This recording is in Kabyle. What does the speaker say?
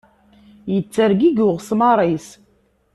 Yettergigi uɣesmar-is.